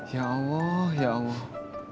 ya allah ya allah